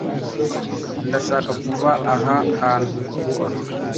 Ndashaka kuva aha hantu vuba.